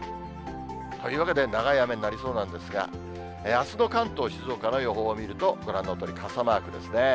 というわけで長い雨になりそうなんですが、あすの関東、静岡の予報を見ると、ご覧のとおり、傘マークですね。